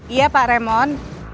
iya pak raymond